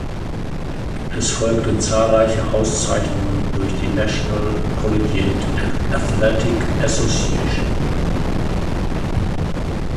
Es folgten zahlreiche Auszeichnungen durch die National Collegiate Athletic Association.